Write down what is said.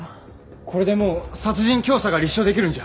これでもう殺人教唆が立証できるんじゃ。